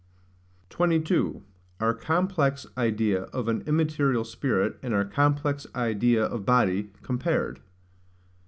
22. Our complex idea of an immaterial Spirit and our complex idea of Body compared.